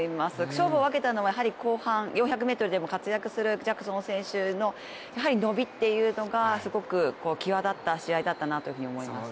勝負を分けたのは後半４００ｍでも活躍するジャクソン選手の伸びというのがすごく際だった試合だったなというふうに思います。